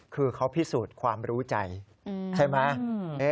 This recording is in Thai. คือเขาพิสูจน์ความรู้ใจใช่ไหม